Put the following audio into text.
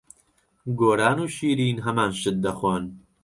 گۆران و شیرین هەمان شت دەخۆن.